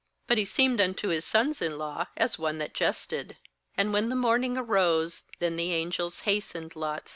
But he seemed unto his sons in law as one that jested. 15And when the morning arose, then the angels hastened Lot.